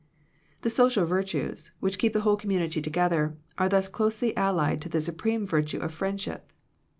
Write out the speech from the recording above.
The social virtues, which keep the whole community together, are thus closely allied to the supreme virtue of friendship.